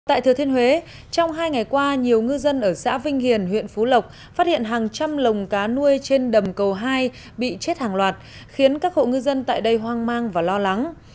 tại thừa thiên huế trong hai ngày qua nhiều ngư dân ở xã vinh hiền huyện phú lộc phát hiện hàng trăm lồng cá nuôi trên đầm cầu hai bị chết hàng loạt khiến các hộ ngư dân tại đây hoang mang và lo lắng